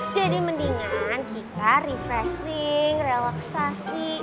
jadi mendingan kita refreshing relaksasi